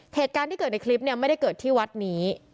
เหตุการณ์ที่เกิดในคลิปเนี่ยไม่ได้เกิดที่วัดนี้